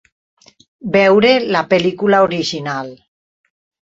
Veure la pel·lícula original.